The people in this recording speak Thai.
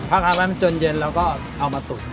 พักทำให้มันจนเย็นแล้วก็เอามาตุ๋น